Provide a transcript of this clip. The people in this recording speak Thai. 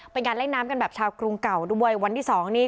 เป็นการเล่นน้ำกันแบบชาวกรุงเก่าด้วยวันที่สองนี่